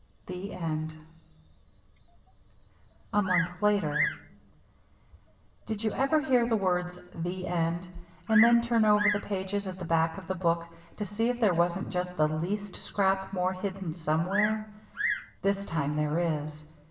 THE END A MONTH LATER Did you ever read the words "The End" and then turn over the pages at the back of the book to see if there wasn't just the least scrap more hidden somewhere? This time there is.